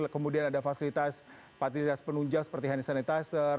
kemudian ada fasilitas fasilitas penunjang seperti hand sanitizer